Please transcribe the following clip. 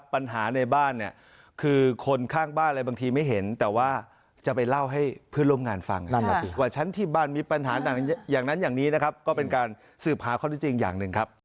ปัญหาฐานอย่างนั้นอย่างนี้นะครับก็เป็นการสืบหาข้อดูจริงอย่างหนึ่งครับ